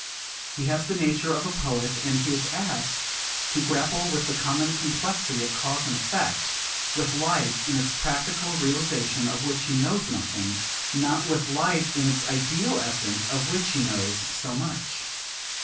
He has the nature of the poet, and he is asked to grapple with the common complexity of cause and effect, with life in its practical realisation, of which he knows nothing, not with life in its ideal essence, of which he knows so much.